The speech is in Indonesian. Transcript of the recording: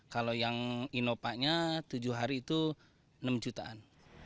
kalau yang inopa nya tujuh hari itu enam jutaan